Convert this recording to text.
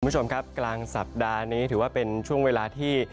คุณผู้ชมครับกลางสัปดาห์นี้ถือว่าเป็นช่วงเวลาที่